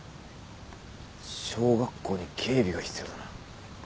小学校に警備が必要だな。